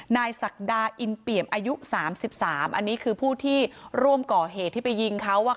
ศักดาอินเปี่ยมอายุ๓๓อันนี้คือผู้ที่ร่วมก่อเหตุที่ไปยิงเขา